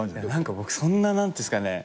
僕そんな何ていうんですかね。